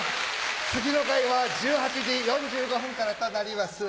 次の回は１８時４５分からとなります。